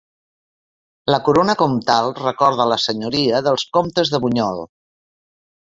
La corona comtal recorda la senyoria dels Comtes de Bunyol.